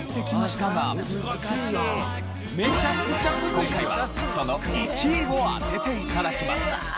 今回はその１位を当てて頂きます。